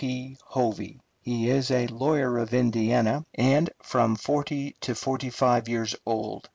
P. Hovey. He is a lawyer of Indiana, and from forty to forty five years old.